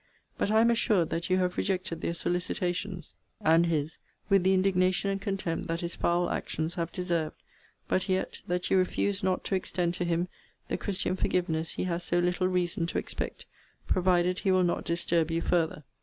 But I am assured that you have rejected their solicitations, and his, with the indignation and contempt that his foul actions have deserved: but yet, that you refuse not to extend to him the christian forgiveness he has so little reason to expect, provided he will not disturb you farther.